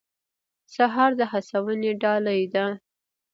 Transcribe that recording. سهار د هڅونې ډالۍ ده.